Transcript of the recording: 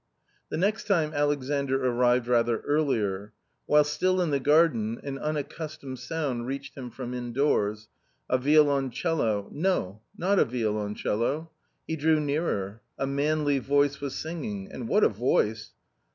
The next time Alexandr arrived rather earlier. While still in the garden an unaccustomed sound reached him from indoors — a violoncello — no, not a violoncello. He drew nearer. A manly voice was singing — and what a voice